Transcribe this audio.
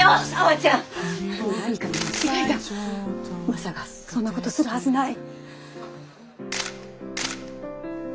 マサがそんなことするはずない。